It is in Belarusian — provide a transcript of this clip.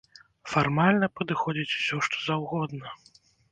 Фармальна падыходзіць усё што заўгодна.